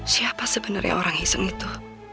siapa sebenernya orang hiseng itu